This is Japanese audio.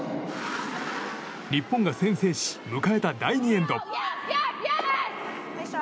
日本が先制し迎えた第２エンド。